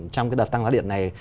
trong cái đợt tăng giá điện này